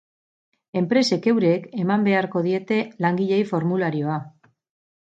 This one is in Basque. Enpresek eurek eman beharko diete langileei formularioa.